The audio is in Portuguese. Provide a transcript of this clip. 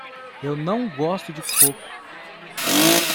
Eu não gosto de coco.